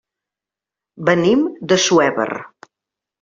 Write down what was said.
Venim d'Assuévar.